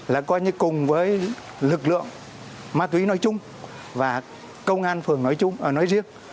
là coi như cùng với lực lượng ma túy nói chung và công an phường nói riêng